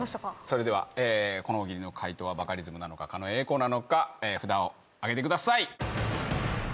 それではこの大喜利の回答はバカリズムなのか狩野英孝なのか札を上げてください。